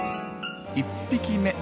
１匹目。